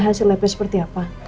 hasil lepas seperti apa